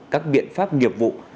các biện pháp nghiệp vụ